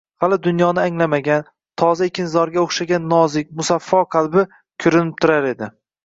Hali dunyoni anglamagan, toza ekinzorga o‘xshagan nozik, musaffo qalbi... ko‘rinib turar edi!